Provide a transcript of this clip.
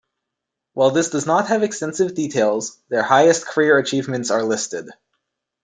While this does not have extensive details, their highest career achievements are listed.